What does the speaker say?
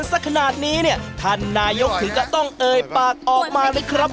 เย็นกับช้อนมั้ยครับ